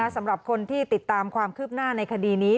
สำหรับคนที่ติดตามความคืบหน้าในคดีนี้